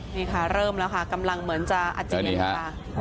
นี่ค่ะเริ่มแล้วค่ะกำลังเหมือนจะอาเจียนค่ะ